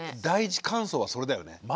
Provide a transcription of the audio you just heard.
第一感想はそれだよね。